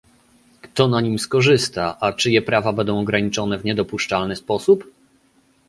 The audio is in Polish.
kto na nim skorzysta, a czyje prawa będą ograniczone w niedopuszczalny sposób?